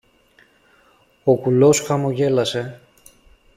Ο κουλός χαμογέλασε.